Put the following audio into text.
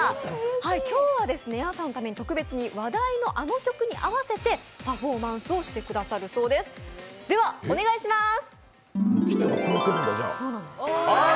今日はやんさんのために特別に話題のあの曲に合わせてパフォーマンスをしてくださるそうです、お願いします。